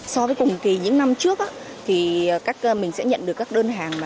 so với cùng kỳ những năm trước mình sẽ nhận được các đơn hàng